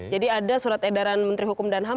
jadi ada surat edaran kementerian hukum dan ham